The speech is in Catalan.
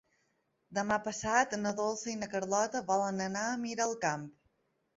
Demà passat na Dolça i na Carlota volen anar a Miralcamp.